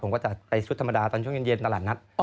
ก็จะไปชุดธรรมดาตอนช่วงเย็นตลาดนัด